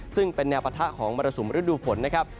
ซึ่งเป็นแนวปะทะของมรสุมฤดูฝนนะครับ